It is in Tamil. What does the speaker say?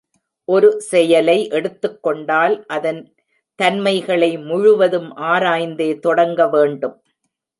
ஒரு செயலை எடுத்துக்கொண்டால் அதன் தன்மைகளை முழுவதும் ஆராய்ந்தே தொடங்க வேண்டும்.